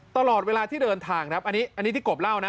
ตลอดเวลาที่เดินทางครับอันนี้ที่กบเล่านะ